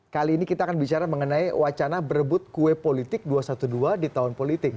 kali ini kita akan bicara mengenai wacana berebut kue politik dua ratus dua belas di tahun politik